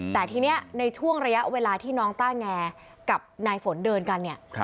แต่ทีนี้ในช่วงระยะเวลาที่น้องต้าแงกับนายฝนเดินกันเนี่ย